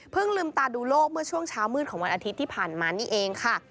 ลืมตาดูโลกเมื่อช่วงเช้ามืดของวันอาทิตย์ที่ผ่านมานี่เองค่ะ